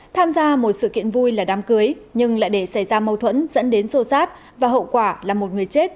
tham gia một sự kiện vui là đám cưới nhưng lại để xảy ra mâu thuẫn dẫn đến xô xát và hậu quả là một người chết